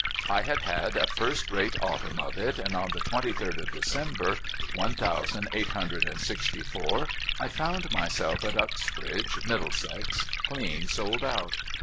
I had had a first rate autumn of it, and on the twenty third of December, one thousand eight hundred and sixty four, I found myself at Uxbridge, Middlesex, clean sold out.